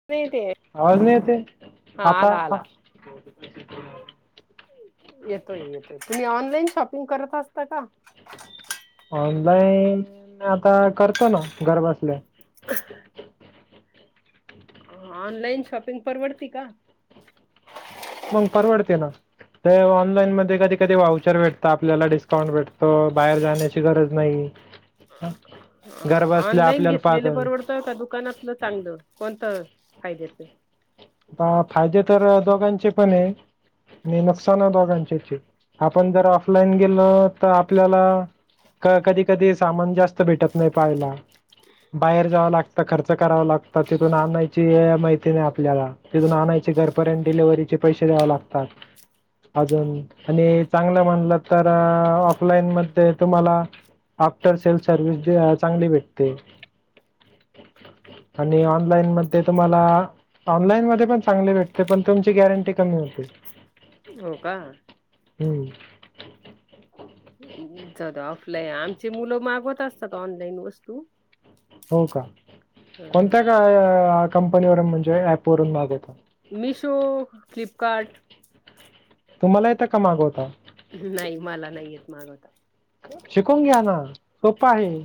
ज नाही येते. आवाज नाही येते हा आता आला आला. येतोय येतोय. तुम्ही ऑनलाईन शॉपिंग करत असता का? ऑनलाईन आता करतो ना. घर बसल्या. [inaudible] ऑनलाईन शॉपिंग परवडती का? मंग परवडते ना. ते ऑनलाईन मध्ये कधी कधी वावचर भेटत आपल्याला. डिस् काउंट भेटत. बाहेर जाण्याची गरज नाही. अ घर बसल्या ऑनलाईन आपल्याला घेतलेलं परवड पाहत त का दुकानातलं चांगलं, कोणतं फायद्याचं हा फायदे तर दोघांचे पण हे आणि नुकसान ही दोघांचेच आपण जर ऑफलाईन गेलो तर आपल्याला कधी कधी सामान जास्त भेटत नाही पहायला, बाहेर जावं लागत खर्च करावं लागत तिथून आणायची वेळ, माहिती नाही आपल्याला तिथून आणायचे घरपर्यंत डिलिव्हरीचे पैसे द्यावे लागतात. अजून आणि चांगलं म्हणलं तर ऑफलाईन मध्ये तुम्हाला आफ्टर सेल सर्विस जे हा चांगली भेटते [unintelligible] आणि ऑनलाईन मध्ये तुम्हाला ऑ ते पण चांगले भेटते, पण तुमची गॅरंटी कमी होते. हो का जरा ऑफलाईन आमची मुलं मागवत असतात ऑनलाईन वस्तू. हो का, ह कोणत्या गा कंपनी वरून म्हणजे ऍप वरून मागवतात? मिशो, फ्लिपकार्ट तुम्हाला येत का मागवता.? नाही मला नाही येत मागवता. शिकून घ्या ना, सोप आहे.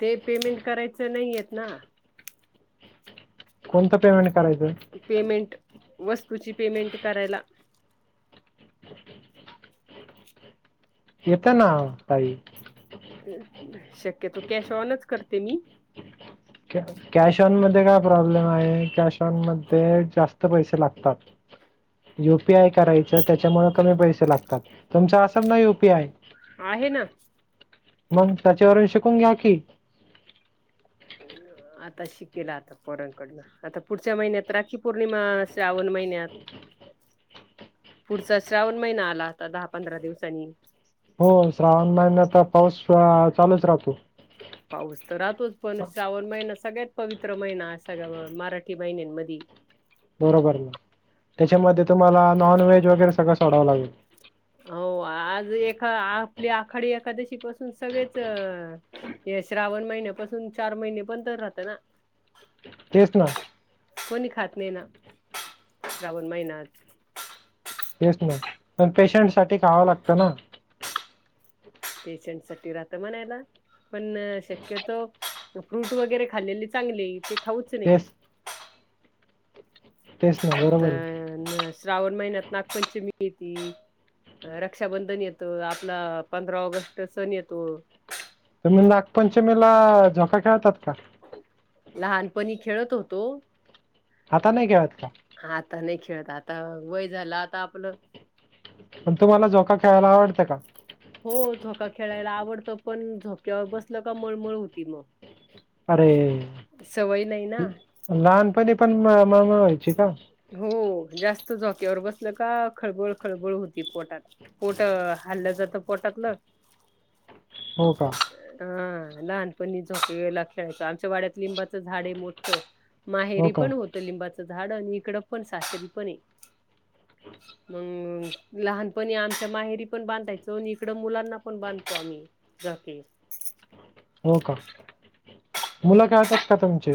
ते पेमेंट करायचं नाहीयेत ना- कोणतं पेमेंट करायचं नाही. पेमेंट वस्तूची पेमेंट करायला- येत ना ताई शक्यतो कॅश ऑनच करते मी. कॅश ऑन मध्ये काय प्रॉब्लेम आहे, कॅश ऑन मध्ये जास्त पैसे लागतात. [unintelligible] यु पी आय करायचं त्याच्यामुळे कमी पैसे लागतात, तुमचं असल ना यु पी आय. आहे ना. मग त्याचेवरून शिकून घ्या की. आता शिकेल आता पोरांनकडनं. आता पुढच्या महिन्यात राखी पौर्णिमा श्रावण महिन्यात- पुढचा श्रावण महिना आला दहा पंधरा दिवसांनी- हो श्रावण महिन्याचा पाऊस हा चालूच राहतो. पाऊस तर राहतोच पण श्रावण महिना सगळ्यात पवित्र महिना, सगळ्या मराठी महिन्यांमध्ये. बरोबर ना, त्याच्यामध्ये तुम्हाला नॉन व्हेज वगैरे सगळं सोडावं लागेल. हो आज एका आपली आखाडी एकादशीपाासून सगळेच- हे श्रावण महिन्यापासून चार महिने बंद राहत ना. येतो आहे. कोणी खात नाही ना, श्रावण महिनात. तेच ना पण पेशंटसाठी खावं लागतं ना. पेशंट साठी राहत म्हणायला. पण शक्यतो फ्रूट वगैरे खाल्लेली चांगली, ते खाऊच नाही. तेच तेच ना बरोबर आहे तर श्रावण महिन्यात नागपंचमी येती. रक्षाबंधन येतं, आपला पंधरा ऑगस्ट सण येतो. तुम्ही नागपंचमीला झोका खेळतात का? लहानपणी खेळत होतो. आता नाही खेळत का? आता नाही खेळत आता. वय झालं आता आपलं. पण तुम्हाला झोका खेळायला आवडते का? हो झोका खेळायला आवडतं पण झोक्यावर बसलं का मळमळ होती मग. अरे सवय नाही ना. लहानपणी पण मळमळ व्हायची का? हो जास्त झोक्यावर बसलं का खळबळ खळबळ होती पोटात. पोट हल्लं जातं पोटातलं. हो का. अं लहानपणी झोप वला खेळायचं आमच्या वाड्यात लिंबाचं झाड आहे मोठं. हो माहेरी का? पण होतं लिंबाचं झाड आणि इकडं पण सासरी पण हे. मग लहानपणी आमच्या माहेरी पण बांधायचो आणि इकडं मुलांना पण बांधतो आम्ही झोके. हो का, मुलं खेळतात का तुमची?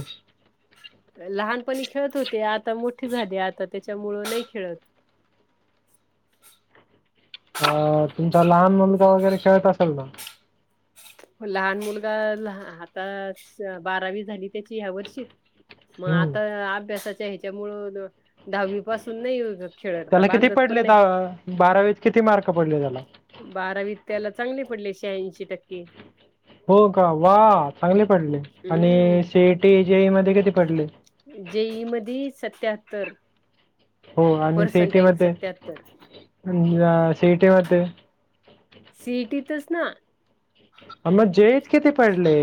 लहानपणी खेळत होते आता मोठी झाली आता त्याच्यामुळं नाही खेळत. अ तुमचा लहान मुलगा वगैरे खेळत असेल ना? लहान मुलगा आता बारावी झाली त्याची ह्या वर्षी, मग हं. आता अभ्यासाच्या ह्याच्यामुळ दहावी पासून नाही युजत. त्याला किती पडले दहा बारावीत किती मार्क पडले त्याला? बारावी त्याला चांगले पडले शहाऐंशी टक्के. हो का वा चांगले पडले आणि हम्म सी इ टी, जी ई मध्ये किती पडले? जे ई मधी सत्याहत्तर. हो आणि सि इ टी पर्सेंटाईल मध्ये सत्याहत्तर सी इ टी मध्ये? सी. ई. टीतच ना. आ मग जे ईत किती पडले?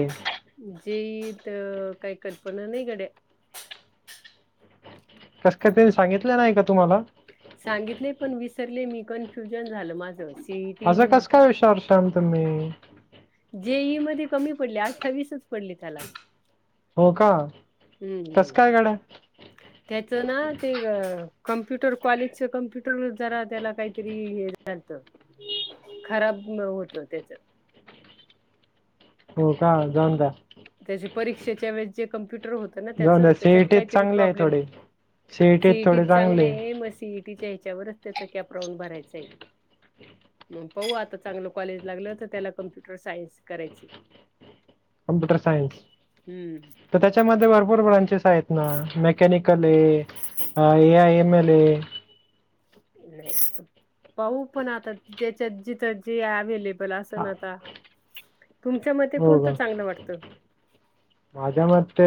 जे ईत काही कल्पना नाही गड्या. कस काय तेनी सांगितलं नाही का तुम्हाला? सांगितले पण विसरले मी कन्फ्युजन झालं माझं असं. असं कस काय विश्वास ठेवला तुम्ही. जे. ई. मध्ये कमी पडले अठ्ठावीसच पडले त्याला. हो का कस काय गड्या? त्याचं ना ते कम्प्युटर कॉलेजच कम्प्युटर जरा त्याला काहीतरी हे झा झालत खराब अ होतं त्याचं. हो का जाऊन द्या. त्याचे परीक्षेच्या वेळेस जे कम्प्युटर होतं ना जाऊन त्याचं द्या त्याच्यात सीईटीत काहीतरी चांगले आहे प्रॉब्लेम थोडे सीईटीत सी ई टीत थोडे चांगले आहे ए मग सी ई टीच्या ह्याच्यावरच त्याचा कॅपराऊंड भरायचांय. मग पाहू आता चांगलं कॉलेज लागलं तर त्याला कम्प्युटर सायन्स करायचं. कम्प्युटर सायन्स हम्म तर त्याच्यामध्ये भरपूर ब्रांचेस आहेत ना मेकॅ मेकॅनिकल ए अ A. I. M. L. A नाही पाहू पण आता जेच्यात जिथं जे ॲवेले बल हा, असन आता, तुमच्या मते हो कोणतं का चांगलं वाटतं? माझ्या मते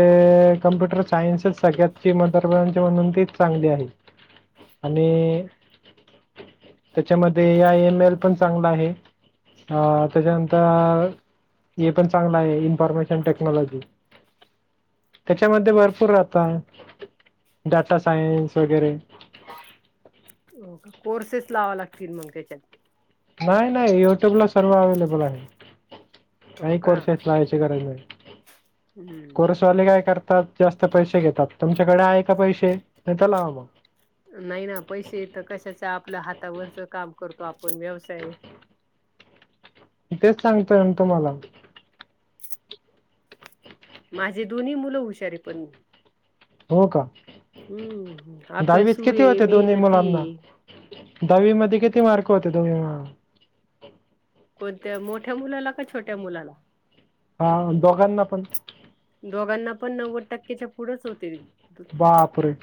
कम्प्युटर सायन्ससच सगळ्यात किमतदार ब्रांच म्हणून तीच चांगली आहे. आणि त्याच्यामध्ये ए. आय. M L. पण चांगलं आहे. अ त्याच्यानंतर हे पण चांगलं आहे इन्फॉर्मेशन टेक्नॉलॉजी. त्याच्यामध्ये भरपूर राहता डाटा सायन्स वगैरे. हो का कोर्सेस लावाव लागतील मग त्याच्यात. नाही नाही युट्यूबला सर्व अवेलेबल आहे हो काही का कोर्सेस लावायची काही गरज नाही. हम्म कोर्स वाले काय करतात जास्त पैसे घेतात, तुमच्याकडे आहे का पैसे, नाही तर लावा मग. नाही ना, पैसे इथं कशाच,, आपलं हातावरच काम करतो आपण व्यवसाय. तेच सांगतोय अन तुम्हाला. माझे दोन्ही मुलं हुशारे पण हो का,, हम्म दहावीत अभ्यासू किती आहे होते दोन्ही मेहनती मुलांना? आहे दहावी मध्ये किती मार्क होते दोन्ही मुलांना? कोणत्या मोठ्या मुलाला का छोट्या मुलाला? हा दोघांना पण? दोघांना पण नव्वद टक्केच्या पुढचं होते. बापरे.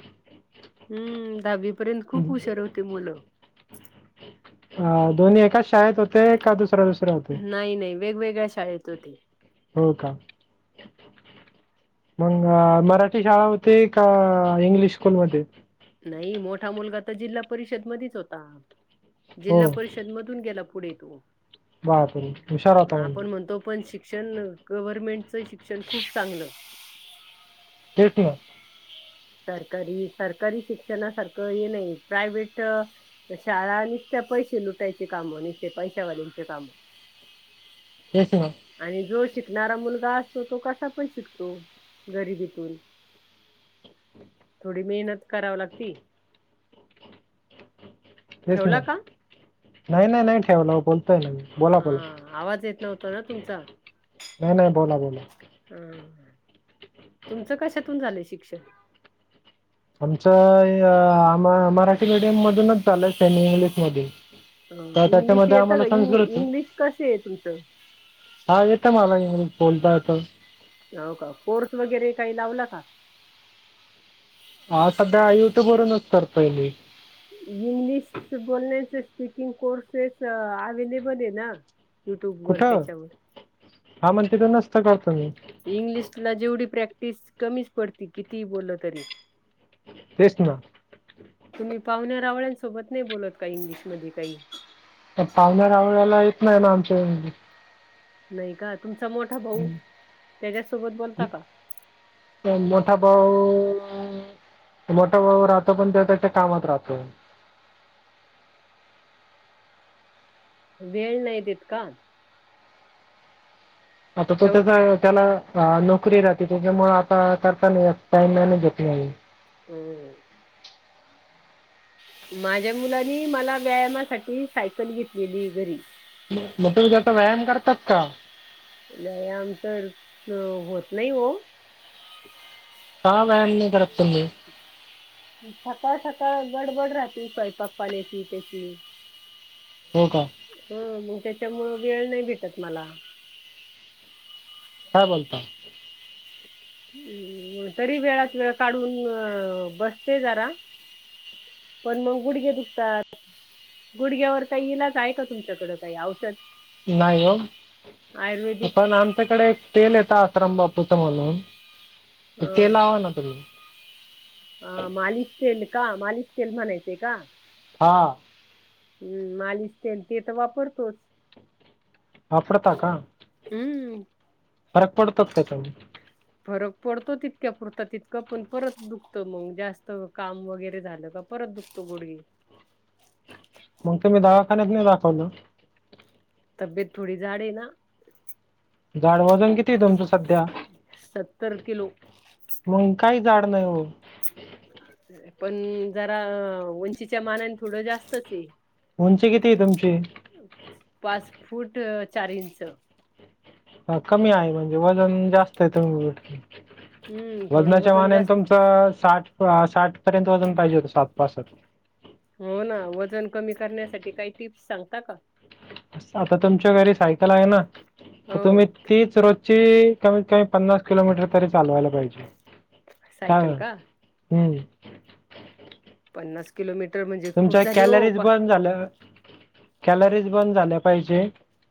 हम्म, दहावी पर्यंत खूप हुशार होते मुलं. अ दोन्ही एकाच शाळेत होते, का दुसऱ्या दुसऱ्या होते? नाही नाही वेगवेगळ्या शाळेत होते. हो का. मग आ मराठी शाळा होती का इंग्लिश स्कूलमध्ये? नाही मोठा मुलगा तर जिल्हा परिषद मदिच होता, हो जिल्हा परिष षद मधून गेला पुढे तो,, बापरे हुशार अ होता म्हणजे आपण म्हणतो पण शिक्षण गव्हर्नमेंटचं शिक्षण खूप चांगलं. तेच ना. सरकारी, सरकारी शिक्षणासारखं हे नाही प्रायव्हेट अ ते शाळा निसत्या पैसे लुटायचे कामं, निसत्या पैशावाल्यांचे काम. तेच ना. आणि जो शिकणारा मुलगा असतो तो कसा पण शिकतो,, गरिबीतून. [inaudible] थोडी मेहनत करावं लागती तेच ठेवला मग,, का? नाही नाही नाही ठेवाल आओ बोलतोय ना मी हा, बोला बोला आवाज येत नव्हता ना तुमचा. नाही नाही बोला बोला हम्म, तुमचं कशातून झालंय शिक्षण? आमचं आ मराठी मिडियम मधूनच झालंय, सेमी इंग्लिश मध्ये ह इंग्लिश येतं का, इंग्लिश कसे ए तुमचं? हा येतं मला इंग्लिश बोलता येतं. हो का,, कोर्स वगैरे काही लावला का? हा सध्या युट्युबवरूनच करतोय मी. इंग्लिश बोलण्याचे स्पीकिंग कोर्सेस अव्लेबल आहे ना. युट्यूब वर कुठं,, त्याच्यावर. हा मग तिथं नसतं का तुम्ही? इंग्लिशला जेवढी प्रॅक्टिस कमीच पडती, कितीही बोललं तरी. तेच ना. तुम्ही पाहुण्या रावळ्यांसोबत नाही बोलत का इंग्लिशमध्ये काही? पावण्या रावळ्याला येत नाही ना आमच्या इंग्लिश. नाही का,, तुमचा मोठा भाऊ,, त्याच्यासोबत बोलता का? कोण मोठा भाऊ अ... मोठा भाऊ राहतो पण तो त्याच्या कामात राहतो. वेळ नाही देत का? आता तो ठेव त्याचा त्याला अ नोकरी राहते, त्याच्या मुळे आता करता नाही, टाईम मॅनेज होत नाही. [inaudible] माझ्या मुलानी मला व्यायामासाठी सायकल घेतलेलीये घरी. मग तुम्ही त्याचावर व्यायाम करतात का? व्यायाम तर अ होत नाही ओ का व्यायाम नाही करत तुम्ही? सकाळ सकाळ गडबड राहती स्वयंपाक पाण्याची त्याची हो का हं मग त्याच्यामुळं वेळ नाही भेटत मला. काय बोलता? तरी वेळात वेळ काढून अ बसते जरा पण मंग गुडघे दुखतात गुडघ्यावर काही इलाज आहे का तुमच्याकडं काही औषध? नाही ओ, आयुर्वेदिक पण आमच्याकडे तेल येत आसाराम बापूच म्हणून ते लावा ना तुम्ही. अ मालिश तेल का, मालिश तेल म्हणायचे का? हा हम्म, मालिश तेल ते तर वापरतोच. वापरता का, हम्म फरक पडतोच त्याच्यामुळे? फरक पडतो तितक्या पुरत तितकं, पण परत दुखतं मंग जास्त काम वगैरे झालं का परत दुखतो गुडघे. मंग तुम्ही दवाखान्यात नाही दाखवलं? तब्येत थोडी जाड आहे ना. जाड, वजन किती आहे तुमच सध्या, सत्तर किलो मंग काही जाड नाही हो. पण जरा अ उंचीच्या मानाने थोडं जास्तच ये. उंची किती आहे तुमची? पाच फूट अ चार इंच. ह कमी आहे म्हणजे, वजन जास्त आहे हम्म [inaudible] थोडं वजनाच्या वजन मानाने तुम जास्त च साठ अ साठ पर्यंत वजन पाहिजे होत साठ, पासष्ट. हो ना, वजन कमी करण्यासाठी काही टिप्स सांगता का? आता तुमच्या घरी सायकल आहे ना, तर हो तुम्ही तीच रोज ते कमीत कमी पन्नास किलोमीटर तरी चालवायला पाहिजे, काय सायकल वाट का हम्म पन्नास किलोमीटर म्हणजे खूप तुमच्या झाली हो कॅलरीज पा बर्न झाल्या कॅलरीज बर्न झाल्या पाहिजे.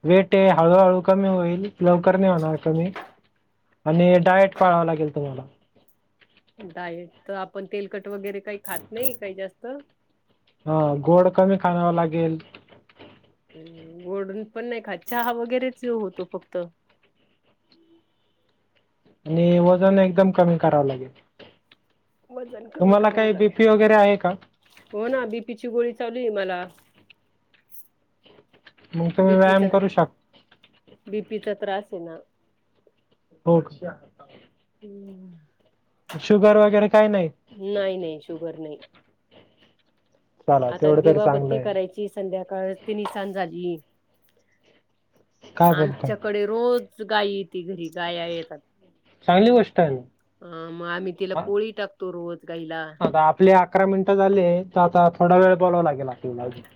वेट आहे हळूहळू कमी होईल, लवकर नाही होणार कमी आणि डायट पाळाव लागेल तुम्हाला. डाएट तर आपण तेलकट वगैरे काही खात नाही काही जास्त हा गोड कमी खावाव लागेल. गोड न पण नाही खात, चहा वगैरेच होतो फक्त. आणि वजन एकदम कमी करावं लागेल. वजन कमी तुम्हाला करावं काही लागेल, बीपी वगैरे आहे का हो ना बीपीची गोळी चालू आहे मला. मग तुम्ही व्यायाम बीपीचा, करू शकता बीपीचा त्रास आहे ना. हो हम्म शुगर वगैरे काही नाही? नाही नाही शुगर नाही चला आता तेवढं तरी चांगलं दिवाबत्ती आहे करायची ची संध्याकाळ तिन साज झाली काय बोलताय आमच्याकडे रोज गाय येती घरी गाया येतात चांगली गोष्ट आहे ना अ मग आम्ही तिला हा? पोळी टाकतो रोज गाईला आता आपले अकरा मिनिटं झाले तर आता थोडा वेळ बोलावं लागेला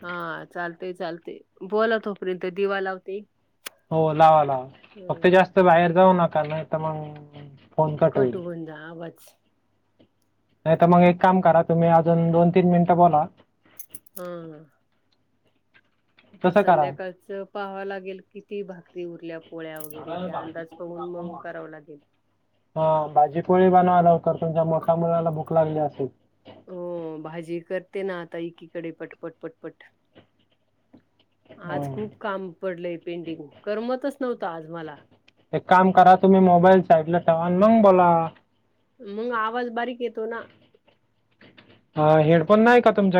हा चालतय चालतय बोलावतोपर्यंत दिवा लावते हो लावा लावा फक्त हम्म. जास्त बाहेर जाऊ नका नाही तर मग फोन कट होईल होवून जाणार बंस नाही तर मग एक काम करा तुम्ही अजून दोन तीन मिनिटं बोला हा हा आता तसं करा संध्याकाळचं पाहावं लागेल किती भाकरी उरल्या पोळ्या वगैरे ते अंदाज बघून मग करावं लागेल हा भाजीपोळी बनवायल्या लवकर तुमच्या मोठ्या मुलाला भूक लागली असेल हो भाजी करते ना आता एकीकडे पटपट पटपट आज अं, खूप काम पडलंय पेंटिंग करमतच नव्हतं आज मला एक काम करा तुम्ही मोबाईल साईडला ठेवा आणि मग बोला मग आवाज बारीक येतो ना हा हेडफोन नाही का तुमच्याकडे